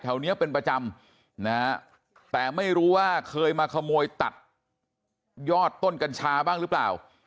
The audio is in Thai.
แถวนี้เป็นประจำนะฮะแต่ไม่รู้ว่าเคยมาขโมยตัดยอดต้นกัญชาบ้างหรือเปล่า